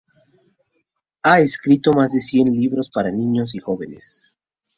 Ha escrito más de cien libros para niños y jóvenes.